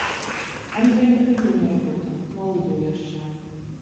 Андрэй не хадзіў на работу, малы быў яшчэ.